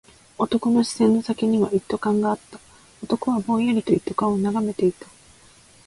男の視線の先には一斗缶があった。男はぼんやりと一斗缶を眺めていた。